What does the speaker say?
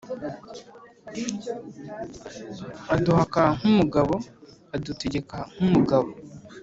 Aduhaka nk’umugabo: adutegeka nk’umugabo.